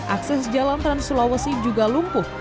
akses jalan trans sulawesi juga lumpuh